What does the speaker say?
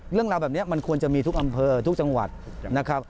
เรื่องราวแบบนี้มันควรจะมีทุกอำเภอทุกจังหวัดนะครับ